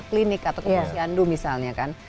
klinik atau ke posyandu misalnya kan